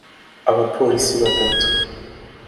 Abapolisi batatu